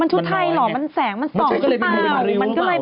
ชุดไทยเหรอมันแสงมันส่องหรือเปล่า